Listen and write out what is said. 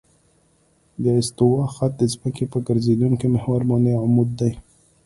د استوا خط د ځمکې په ګرځېدونکي محور باندې عمود دی